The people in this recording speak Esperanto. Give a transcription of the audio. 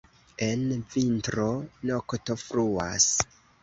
En vintro, nokto fruas.